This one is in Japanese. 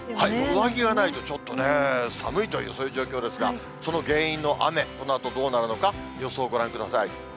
上着がないとちょっとね、寒いというそういう状況ですが、その原因の雨、このあとどうなるのか、予想をご覧ください。